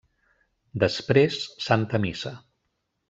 Després, Santa Missa.